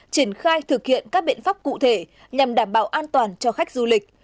triển khai thực hiện các biện pháp cụ thể nhằm đảm bảo an toàn cho khách du lịch